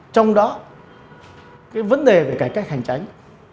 trong đó vấn đề về cải cách hành tránh